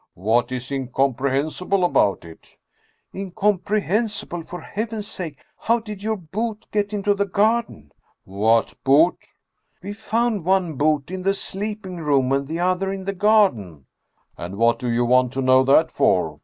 " What is incomprehensible about it ?"" Incomprehensible ! For Heaven's sake, how did your boot get into the garden ?" "What boot?" " We found one boot in the sleeping room and the other in the garden." " And what do you want to know that for